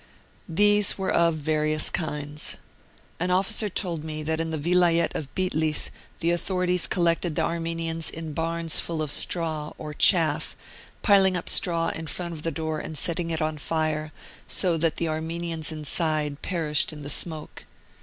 These were of various kinds. An officer told me that in the Vilayet of Bitlis the authorities collected the Ar menians in barns full of, straw (or chaff), piling up straw in front of the door and setting it on fire, so that the Armenians inside perished in the smoke.